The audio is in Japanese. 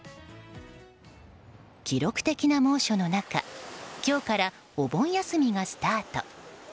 記録的な猛暑の中今日からお盆休みがスタート。